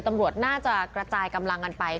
ตำรวจน่าจะกระจายกำลังกันไป